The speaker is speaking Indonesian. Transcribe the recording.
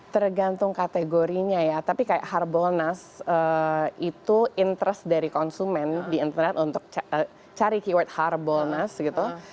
tergantung kategorinya ya tapi kayak harbolnas itu interest dari konsumen di internet untuk cari keyword harbolnas gitu